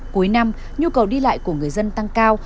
cuối năm nhu cầu đi lại của người dân tăng cao